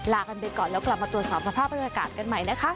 ลากันไปก่อนแล้วกลับมาตรวจสอบสภาพอากาศกันใหม่นะคะ